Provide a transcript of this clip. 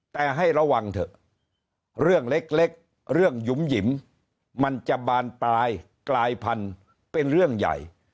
แต่ให้ระวังเถอะเรื่องเล็กเรื่องหยุ่มหยิมมันจะบานปลายกลายพันธุ์เป็นเรื่องใหญ่